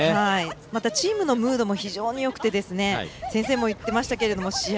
また、チームのムードも非常によくてですね先生も言ってましたが試合